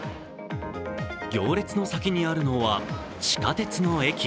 行列の先にあるのは地下鉄の駅。